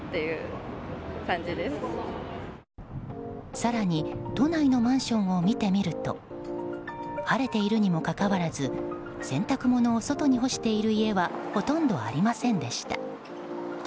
更に都内のマンションを見てみると晴れているにもかかわらず洗濯物を外に干している家はほとんどありませんでした。